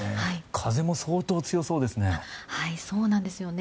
風も相当、強そうですね。